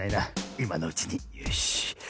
いまのうちによし。